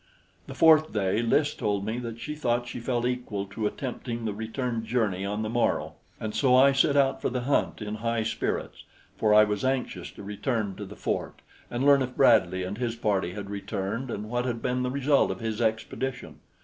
The fourth day Lys told me that she thought she felt equal to attempting the return journey on the morrow, and so I set out for the hunt in high spirits, for I was anxious to return to the fort and learn if Bradley and his party had returned and what had been the result of his expedition.